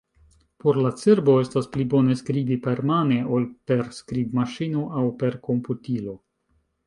Por la cerbo, estas pli bone skribi permane ol per skribmaŝino aŭ per komputilo.